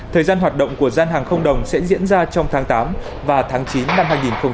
thời gian hoạt động của gian hàng không đồng sẽ diễn ra trong tháng tám và tháng chín năm hai nghìn hai mươi